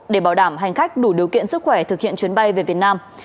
để bảo đảm hành khách đủ điều kiện sức khỏe thực hiện chuyến bay về việt nam